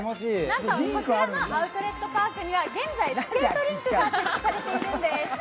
なんとこちらのアウトレットパークには現在スケートリンクが設置されているんです。